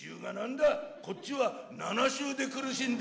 「こっちは７周で苦しんでるんだ」。